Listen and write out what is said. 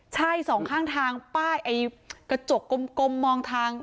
ใช่สองข้างทางป้ายไอ้กระจกกลมมองทาง